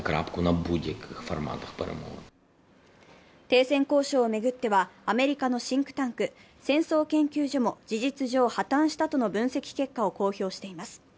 停戦交渉を巡ってはアメリカのシンクタンク、戦争研究所も事実上破綻したとの分析結果を公表しています。